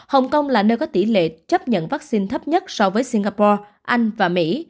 hồng kông là nơi có tỷ lệ chấp nhận vaccine thấp nhất so với singapore anh và mỹ